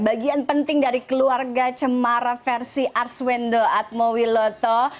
bagian penting dari keluarga cemara versi arswendo atmowiloto